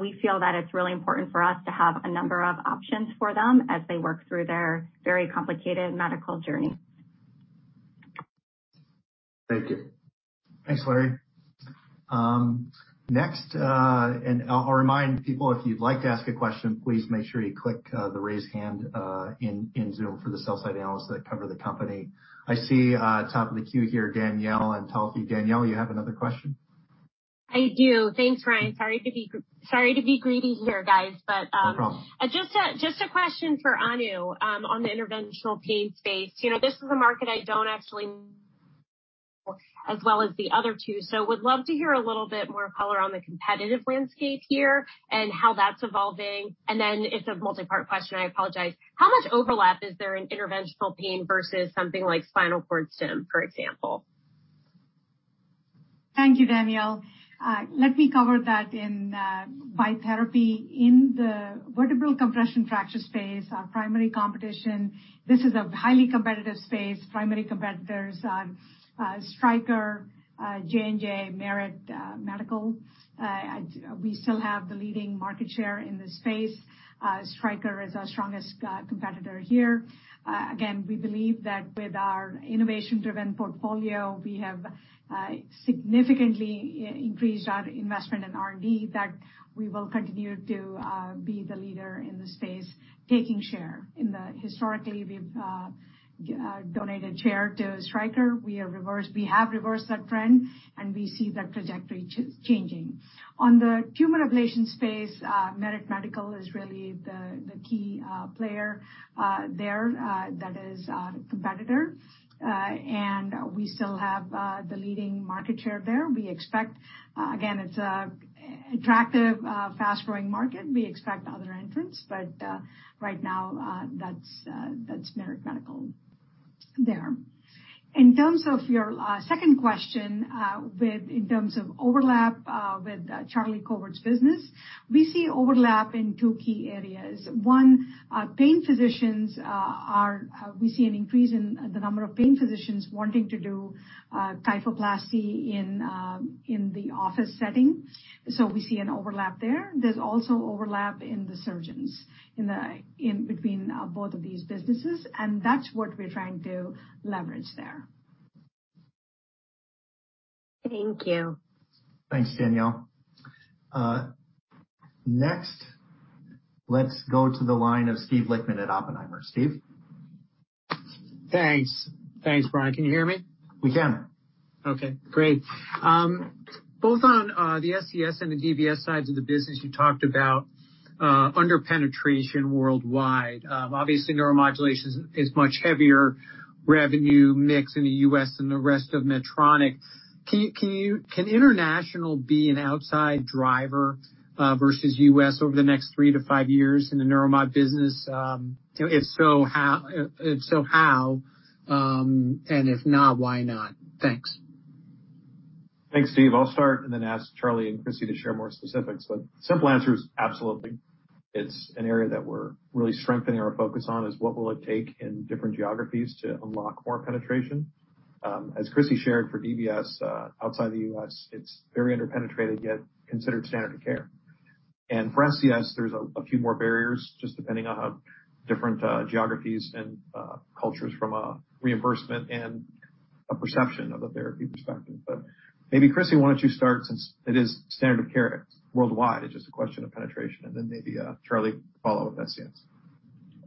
We feel that it's really important for us to have a number of options for them as they work through their very complicated medical journey.
Thank you.
Thanks, Larry. Next, and I'll remind people, if you'd like to ask a question, please make sure you click the raise hand in Zoom for the sell-side analysts that cover the company. I see top of the queue here, Danielle and Antalffy. Danielle, you have another question?
I do. Thanks, Ryan. Sorry to be greedy here, guys.
No problem.
Just a question for Anu on the interventional pain space. This is a market I don't actually as well as the other two, so would love to hear a little bit more color on the competitive landscape here and how that's evolving. Then it's a multi-part question, I apologize. How much overlap is there in interventional pain versus something like spinal cord stim, for example?
Thank you, Danielle. Let me cover that in BKP therapy in the vertebral compression fracture space, our primary competition. This is a highly competitive space. Primary competitors are Stryker, J&J, Merit Medical. We still have the leading market share in this space. Stryker is our strongest competitor here. Again, we believe that with our innovation-driven portfolio, we have significantly increased our investment in R&D, that we will continue to be the leader in this space, taking share. Historically, we've donated share to Stryker. We have reversed that trend, and we see that trajectory changing. On the tumor ablation space, Merit Medical is really the key player there. That is our competitor. We still have the leading market share there. Again, it's attractive, fast-growing market. We expect other entrants, but right now, that's Merit Medical there. In terms of your second question, in terms of overlap with Charlie Covert's business, we see overlap in two key areas. One, pain physicians, we see an increase in the number of pain physicians wanting to do kyphoplasty in the office setting. We see an overlap there. There's also overlap in the surgeons between both of these businesses, and that's what we're trying to leverage there.
Thank you.
Thanks, Danielle. Next, let's go to the line of Steve Lichtman at Oppenheimer. Steve?
Thanks. Thanks, Ryan. Can you hear me?
We can.
Okay, great. Both on the SCS and the DBS sides of the business, you talked about under-penetration worldwide. Obviously, neuromodulation is much heavier revenue mix in the U.S. than the rest of Medtronic. Can international be an outside driver versus U.S. over the next three to five years in the neuromod business? If so, how? If not, why not? Thanks.
Thanks, Steve. I'll start and then ask Charlie and Krissy to share more specifics. Simple answer is absolutely. It's an area that we're really strengthening our focus on, is what will it take in different geographies to unlock more penetration. As Krissy shared for DBS, outside the U.S., it's very under-penetrated, yet considered standard of care. For SCS, there's a few more barriers, just depending on how different geographies and cultures from a reimbursement and a perception of a therapy perspective. Maybe, Krissy, why don't you start, since it is standard of care worldwide, it's just a question of penetration, and then maybe Charlie follow with SCS.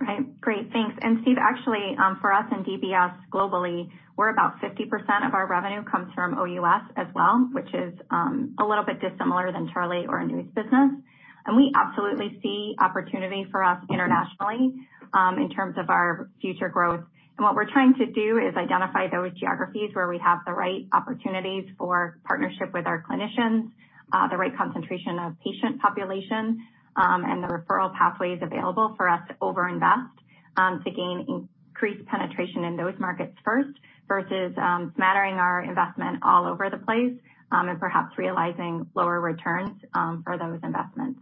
Right. Great. Thanks. Steve, actually, for us in DBS globally, we're about 50% of our revenue comes from OUS as well, which is a little bit dissimilar than Charlie Covert or Anu Codaty's business. We absolutely see opportunity for us internationally in terms of our future growth. What we're trying to do is identify those geographies where we have the right opportunities for partnership with our clinicians, the right concentration of patient population, and the referral pathways available for us to over-invest to gain increased penetration in those markets first versus smattering our investment all over the place, and perhaps realizing lower returns for those investments.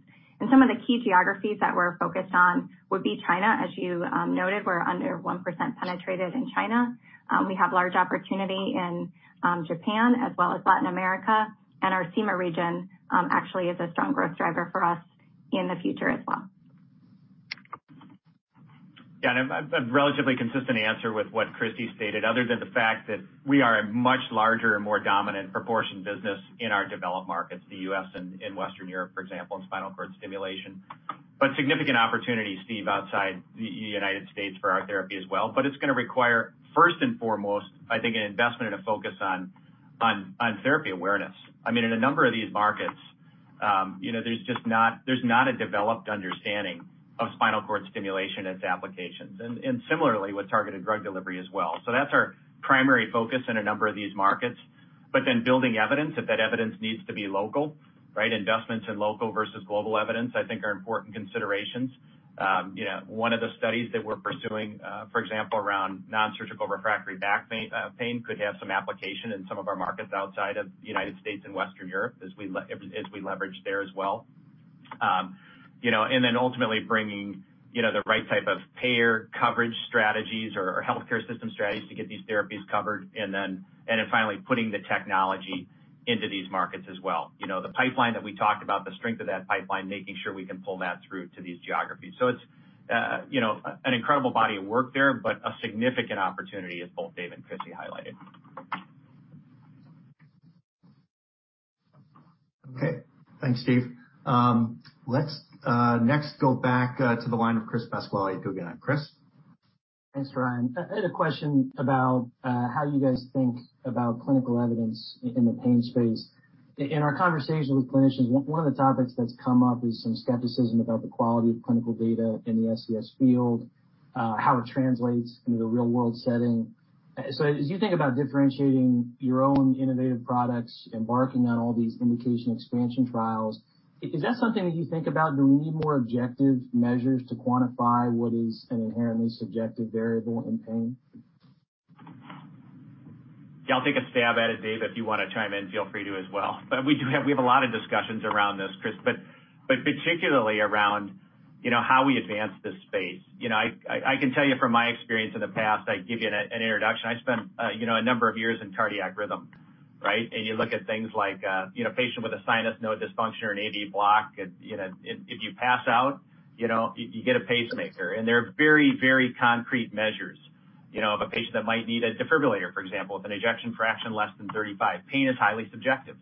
Some of the key geographies that we're focused on would be China. As you noted, we're under 1% penetrated in China. We have large opportunity in Japan as well as Latin America, and our CEMA region actually is a strong growth driver for us in the future as well.
Yeah, a relatively consistent answer with what Krissy stated, other than the fact that we are a much larger and more dominant proportion business in our developed markets, the U.S. and Western Europe, for example, in spinal cord stimulation. Significant opportunities, Steven, outside the United States for our therapy as well. It's going to require, first and foremost, I think, an investment and a focus on therapy awareness. In a number of these markets, there's not a developed understanding of spinal cord stimulation and its applications, and similarly with targeted drug delivery as well. That's our primary focus in a number of these markets. Building evidence, if that evidence needs to be local, right? Investments in local versus global evidence, I think, are important considerations. One of the studies that we're pursuing for example, around non-surgical refractory back pain could have some application in some of our markets outside of the U.S. and Western Europe, as we leverage there as well. Then ultimately bringing the right type of payer coverage strategies or healthcare system strategies to get these therapies covered, and then finally putting the technology into these markets as well. The pipeline that we talked about, the strength of that pipeline, making sure we can pull that through to these geographies. It's an incredible body of work there, but a significant opportunity as both Dave and Krissy highlighted.
Okay. Thanks, Steve. Let's next go back to the line of Chris Pasquale at Guggenheim. Chris?
Thanks, Ryan. I had a question about how you guys think about clinical evidence in the pain space. In our conversations with clinicians, one of the topics that's come up is some skepticism about the quality of clinical data in the SCS field, how it translates into the real-world setting. As you think about differentiating your own innovative products, embarking on all these indication expansion trials, is that something that you think about? Do we need more objective measures to quantify what is an inherently subjective variable in pain?
Yeah, I'll take a stab at it, Dave. If you want to chime in, feel free to as well. We have a lot of discussions around this, Chris, but particularly around how we advance this space. I can tell you from my experience in the past, I give you an introduction. I spent a number of years in cardiac rhythm, right? You look at things like a patient with a sinus node dysfunction or an AV block. If you pass out, you get a pacemaker. They're very concrete measures. If a patient that might need a defibrillator, for example, with an ejection fraction less than 35. Pain is highly subjective,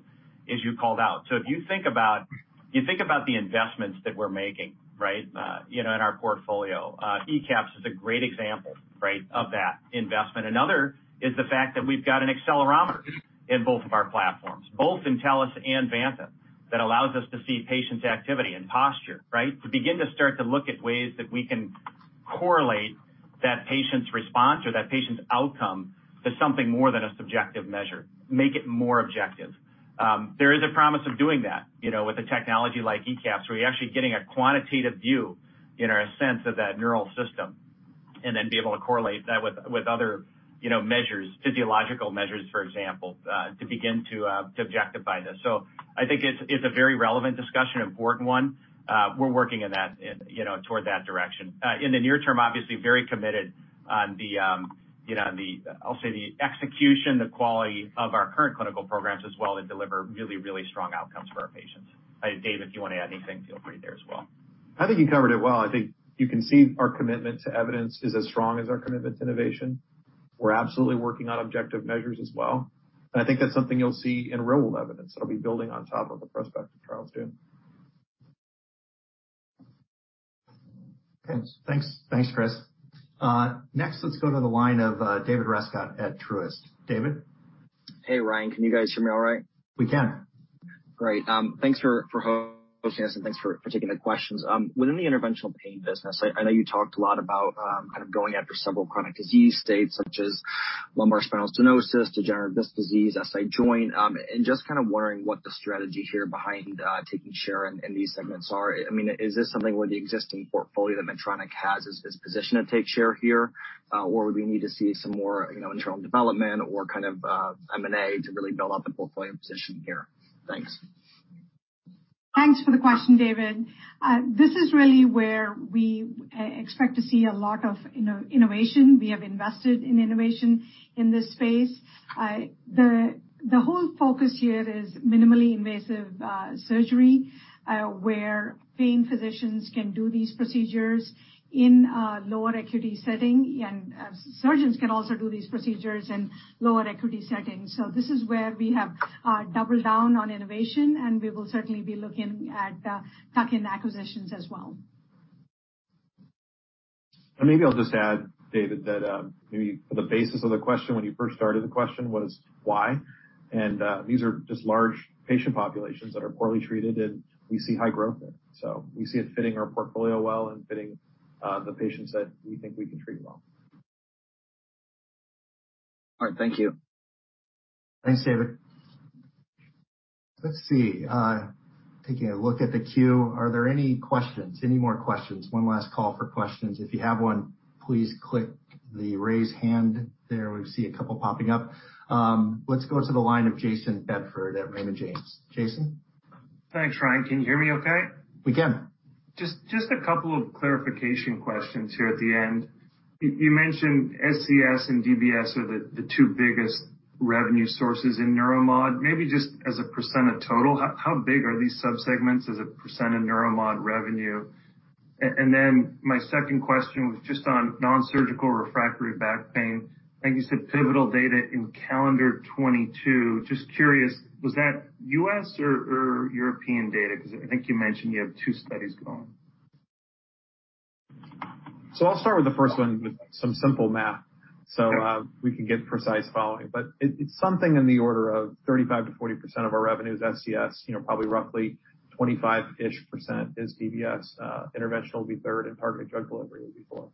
as you called out. If you think about the investments that we're making in our portfolio, ECAPS is a great example of that investment. Another is the fact that we've got an accelerometer in both of our platforms, both Intellis and Vanta, that allows us to see patients' activity and posture, right? To begin to start to look at ways that we can correlate that patient's response or that patient's outcome to something more than a subjective measure, make it more objective. There is a promise of doing that, with a technology like ECAPS, where you're actually getting a quantitative view in our sense of that neural system, and then be able to correlate that with other measures, physiological measures, for example, to begin to objectify this. I think it's a very relevant discussion, important one. We're working toward that direction. In the near term, obviously very committed on the, I'll say, the execution, the quality of our current clinical programs as well to deliver really strong outcomes for our patients. Dave, if you want to add anything, feel free there as well.
I think you covered it well. I think you can see our commitment to evidence is as strong as our commitment to innovation. We're absolutely working on objective measures as well, and I think that's something you'll see in real-world evidence that'll be building on top of the prospective trials, too.
Okay. Thanks, Chris. Let's go to the line of David Rescott at Truist. David?
Hey, Ryan. Can you guys hear me all right?
We can.
Great. Thanks for hosting us, and thanks for taking the questions. Within the interventional pain business, I know you talked a lot about kind of going after several chronic disease states, such as lumbar spinal stenosis, degenerative disc disease, SI joint, and just kind of wondering what the strategy here behind taking share in these segments are. Is this something where the existing portfolio that Medtronic has is positioned to take share here? Or would we need to see some more internal development or kind of M&A to really build up a portfolio position here? Thanks.
Thanks for the question, David. This is really where we expect to see a lot of innovation. We have invested in innovation in this space. The whole focus here is minimally invasive surgery, where pain physicians can do these procedures in a lower acuity setting, and surgeons can also do these procedures in lower acuity settings. This is where we have doubled down on innovation, and we will certainly be looking at tuck-in acquisitions as well.
Maybe I'll just add, David, that maybe for the basis of the question, when you first started the question was why. These are just large patient populations that are poorly treated, and we see high growth there. We see it fitting our portfolio well and fitting the patients that we think we can treat well.
All right. Thank you.
Thanks, David. Let's see. Taking a look at the queue. Are there any more questions? One last call for questions. If you have one, please click the raise hand there. We see a couple popping up. Let's go to the line of Jayson Bedford at Raymond James. Jayson?
Thanks, Ryan. Can you hear me okay?
We can.
Just a couple of clarification questions here at the end. You mentioned SCS and DBS are the two biggest revenue sources in Neuromod. Maybe just as a percentage of total, how big are these subsegments as a percentage of Neuromod revenue? My second question was just on nonsurgical refractory back pain. I think you said pivotal data in calendar 2022. Just curious, was that U.S. or European data? I think you mentioned you have two studies going.
I'll start with the first one with some simple math, so we can get precise following. It's something in the order of 35%-40% of our revenue is SCS. Probably roughly 25-ish% is DBS. Interventional will be third, and targeted drug delivery will be fourth.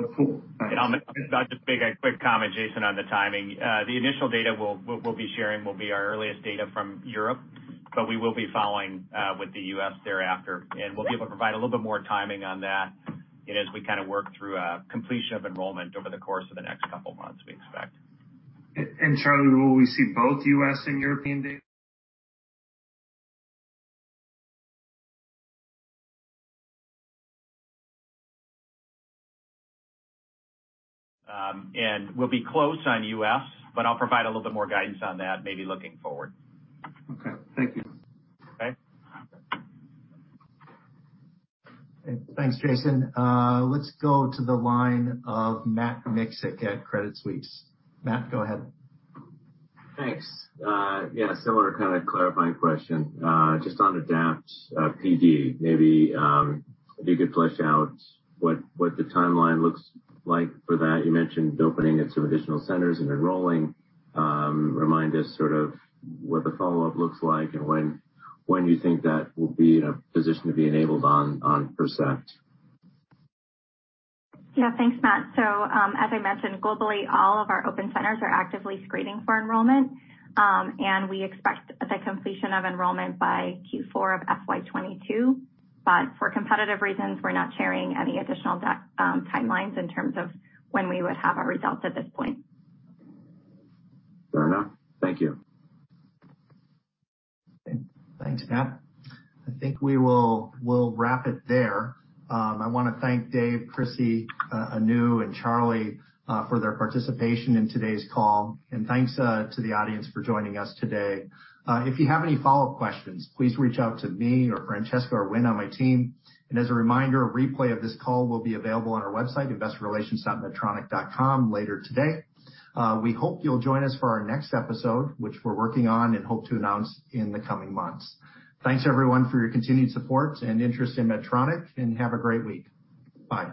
That's cool. Thanks.
I'll just make a quick comment, Jayson, on the timing. The initial data we'll be sharing will be our earliest data from Europe, but we will be following with the U.S. thereafter, and we'll be able to provide a little bit more timing on that as we kind of work through completion of enrollment over the course of the next couple of months, we expect.
Charlie, will we see both U.S. and European data?
We'll be close on U.S., but I'll provide a little bit more guidance on that, maybe looking forward.
Okay. Thank you.
Okay.
Thanks, Jayson. Let's go to the line of Matt Miksic at Credit Suisse. Matt, go ahead.
Thanks. Yeah, similar kind of clarifying question. Just on ADAPT-PD, maybe if you could flesh out what the timeline looks like for that. You mentioned opening up some additional centers and enrolling. Remind us sort of what the follow-up looks like and when you think that will be in a position to be enabled on Percept.
Yeah. Thanks, Matt. As I mentioned, globally, all of our open centers are actively screening for enrollment. We expect the completion of enrollment by Q4 of FY 2022. For competitive reasons, we're not sharing any additional timelines in terms of when we would have our results at this point.
Fair enough. Thank you.
Thanks, Matt. I think we'll wrap it there. I want to thank Dave, Krissy, Anu, and Charlie for their participation in today's call. Thanks to the audience for joining us today. If you have any follow-up questions, please reach out to me or Francesco or Winn on my team. As a reminder, a replay of this call will be available on our website, investorrelations.medtronic.com, later today. We hope you'll join us for our next episode, which we're working on and hope to announce in the coming months. Thanks everyone for your continued support and interest in Medtronic, and have a great week. Bye.